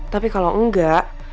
tapi kalau enggak